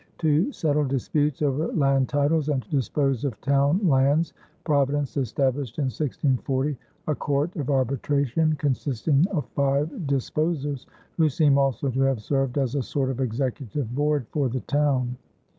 To settle disputes over land titles and to dispose of town lands, Providence established in 1640 a court of arbitration consisting of five "disposers," who seem also to have served as a sort of executive board for the town.